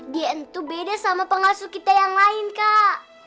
dia entu beda sama pengasuh kita yang lain kak